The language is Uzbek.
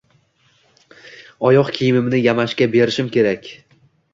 Oyoq kiyimimni yamashga berishim kerak.